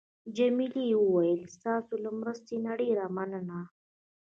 جميلې وويل: ستاسو له مرستې نه ډېره مننه.